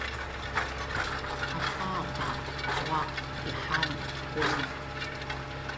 Haiza paat a puaq ihaan quma